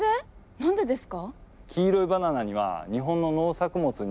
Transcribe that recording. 何でですか？